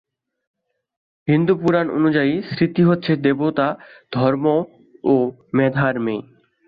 হিন্দু পুরাণ অনুযায়ী, স্মৃতি হচ্ছে দেবতা ধর্ম ও মেধার মেয়ে।